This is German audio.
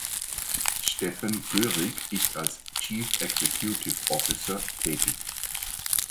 Steffen Görig ist als Chief Executive Officer tätig.